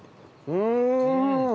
うん。